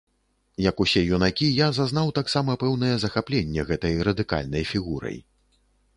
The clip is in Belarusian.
Як усе юнакі, я зазнаў таксама пэўнае захапленне гэтай радыкальнай фігурай.